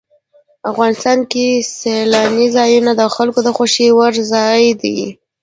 افغانستان کې سیلانی ځایونه د خلکو د خوښې وړ ځای دی.